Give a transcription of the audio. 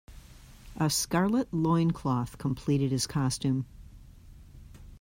A scarlet loincloth completed his costume.